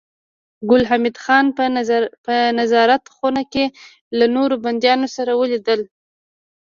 ګل حمید خان په نظارت خونه کې له نورو بنديانو سره ولیدل